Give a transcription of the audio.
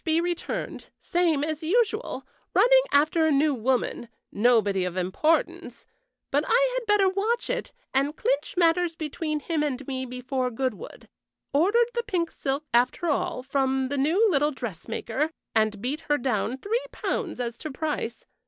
B. returned same as usual, running after a new woman, nobody of importance; but I had better watch it, and clinch matters between him and me before Goodwood. Ordered the pink silk after all, from the new little dressmaker, and beat her down three pounds as to price.